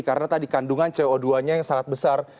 karena tadi kandungan co dua nya yang sangat besar